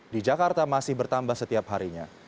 di jakarta masih bertambah setiap harinya